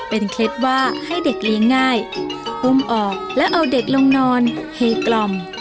เป็นเคล็ดว่าให้เด็กเลี้ยงง่ายอุ้มออกแล้วเอาเด็กลงนอนเฮกล่อม